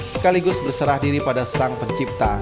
sekaligus berserah diri pada sang pencipta